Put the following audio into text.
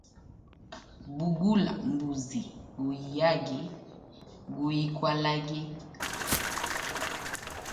Bugula mbuzi guyage, gulikwalage.